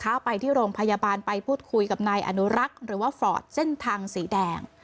ไปที่โรงพยาบาลไปพูดคุยกับนายอนุรักษ์หรือว่าฟอร์ดเส้นทางสีแดง